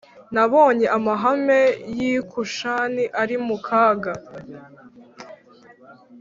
Nabonye amahema y i Kushani ari mu kaga